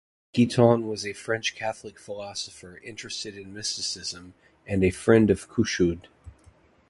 Guitton was a French Catholic philosopher interested in mysticism, and a friend of Couchoud.